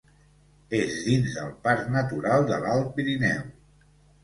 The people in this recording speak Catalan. És dins del Parc Natural de l'Alt Pirineu.